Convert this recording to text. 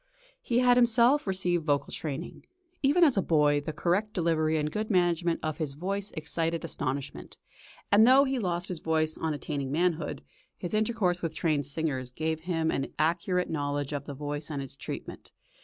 He had himself received vocal training. Even as a boy the correct delivery and good management of his voice excited {CHURCH MUSIC.} (282) astonishment; and though he lost his voice on attaining manhood, his intercourse with trained singers gave him an accurate knowledge of the voice and its treatment.